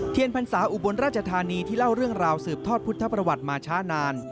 พรรษาอุบลราชธานีที่เล่าเรื่องราวสืบทอดพุทธประวัติมาช้านาน